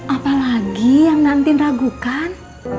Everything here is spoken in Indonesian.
apalagi yang na'antin ragukan